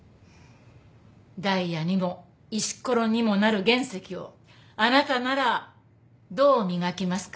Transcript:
ダイヤにも石ころにもなる原石をあなたならどう磨きますか？